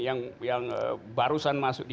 yang barusan masuk di